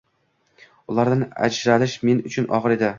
Ulardan ajralish men uchun og`ir edi